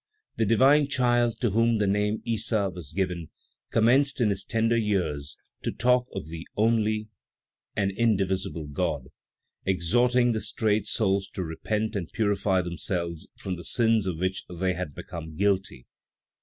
The divine child, to whom the name Issa was given, commenced in his tender years to talk of the only and indivisible God, exhorting the strayed souls to repent and purify themselves from the sins of which they had become guilty.